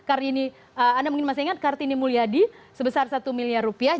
kartini anda mungkin masih ingat kartini mulyadi sebesar satu miliar rupiah